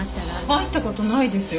入った事ないですよ